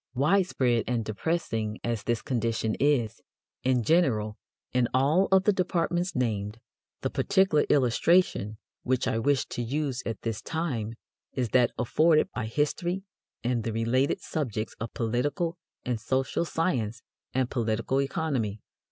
Widespread and depressing as this condition is, in general, in all of the departments named, the particular illustration which I wish to use at this time is that afforded by history and the related subjects of political and social science and political economy.